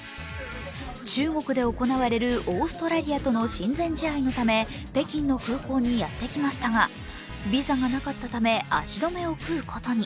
中国で行われるオーストラリアとの親善試合のため、北京の空港にやってきましたが、ビザがなかったため足止めを食うことに。